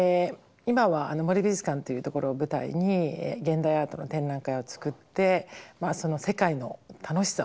今は森美術館というところを舞台に現代アートの展覧会を作ってその世界の楽しさをですね